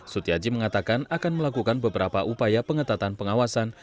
sutiaji mengatakan akan melakukan beberapa upaya pengetatan pengawasan